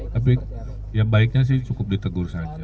tapi ya baiknya sih cukup ditegur saja